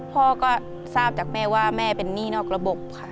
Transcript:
พ่อก็ทราบจากแม่ว่าแม่เป็นหนี้นอกระบบค่ะ